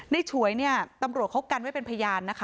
ในฉวยตำรวจคบกันไว้เป็นพยาน